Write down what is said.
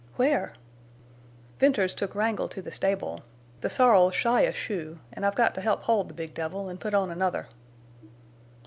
"Where?" "Venters took Wrangle to the stable. The sorrel's shy a shoe, an' I've got to help hold the big devil an' put on another."